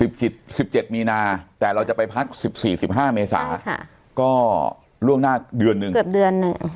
สิบเจ็ดมีนาแต่เราจะไปพักสิบสี่สิบห้าเมษาค่ะก็ล่วงหน้าเดือนหนึ่งเกือบเดือนหนึ่ง